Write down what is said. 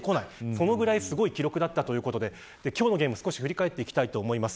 それぐらいすごい記録だったということで、今日のゲームを振り返っていきたいと思います。